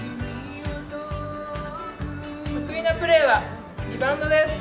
得意なプレーはリバウンドです。